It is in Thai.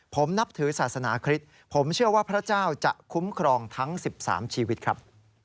ผมนับถือศาสนาคริสต์ผมเชื่อว่าพระเจ้าจะคุ้มครองทั้ง๑๓ชีวิตครับ